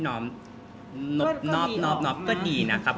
นอบก็ดีนะครับ